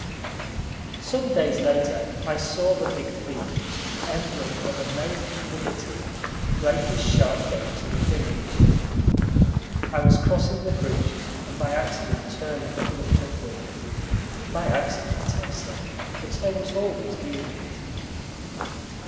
Some days later, I saw the big thief emblem of American liberty play his sharp game to the finish. I was crossing the bridge, and by accident turned and looked upward. (By accident, I say, but I was always doing it.)